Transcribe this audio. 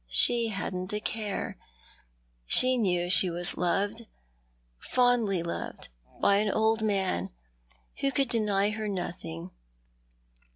She hadn't a care. She knew that slie was loved, fondly loved, by an old man, who could deny her nothing.